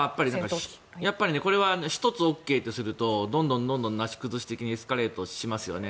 やっぱりこれは１つＯＫとするとどんどん、なし崩し的にエスカレートしますよね。